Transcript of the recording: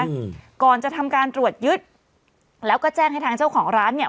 อืมก่อนจะทำการตรวจยึดแล้วก็แจ้งให้ทางเจ้าของร้านเนี้ย